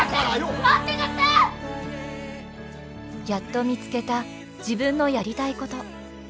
やっと見つけた自分のやりたいこと。